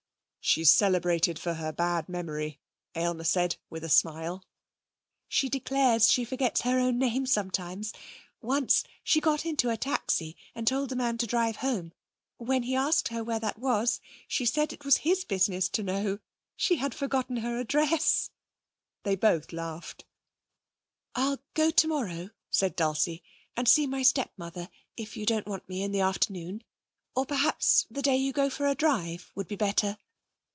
'She's celebrated for her bad memory,' Aylmer said, with a smile. 'She declares she forgets her own name sometimes. Once she got into a taxi and told the man to drive home. When he asked where that was, she said it was his business to know. She had forgotten her address.' They both laughed. 'I'll go tomorrow,' said Dulcie, 'and see my stepmother, if you don't want me in the afternoon. Or, perhaps, the day you go for a drive would be better.'